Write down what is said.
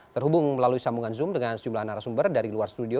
terhubung melalui sambungan zoom dengan sejumlah narasumber dari luar studio